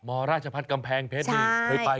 มราชพัฒน์กำแพงเพชรนี่เคยไป